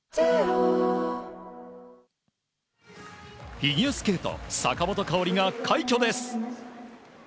フィギュアスケート坂本花織が快挙です。